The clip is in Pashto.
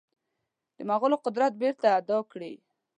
د مغولو قدرت بیرته اعاده کړي.